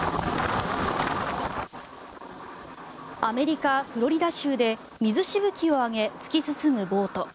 アメリカ・フロリダ州で水しぶきを上げ突き進むボート。